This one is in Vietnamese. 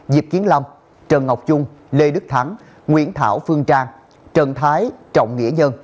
diệp kiến lâm trần ngọc trung lê đức thắng nguyễn thảo phương trang trần thái trọng nghĩa nhân